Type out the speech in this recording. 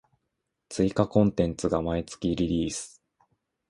追加コンテンツが毎月リリース